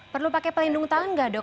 perlu pakai pelindung tangan nggak dong